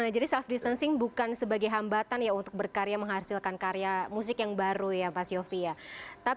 jadi self distancing bukan sebagai hambatan ya untuk berkarya menghasilkan karya musik yang baru ya mas syofie ya